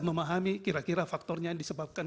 memahami kira kira faktornya yang disebabkan